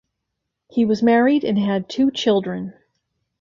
He was married and had two children.